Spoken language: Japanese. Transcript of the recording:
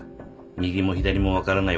右も左も分からない